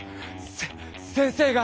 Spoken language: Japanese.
せ先生が。